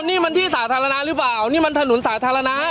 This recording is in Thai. นี่มันที่สาธารณะหรือเปล่านี่มันถนนสาธารณะ